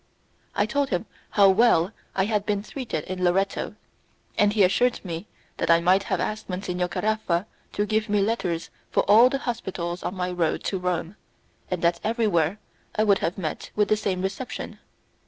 I told him how well I had been treated in Loretto, and he assured me that I might have asked Monsignor Caraffa to give me letters for all the hospitals on my road to Rome, and that everywhere I would have met with the same reception.